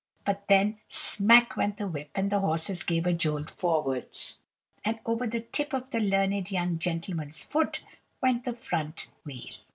But, then, smack went the whip, and the horses gave a jolt forwards, and over the tip of the learned young gentleman's foot went the front wheel.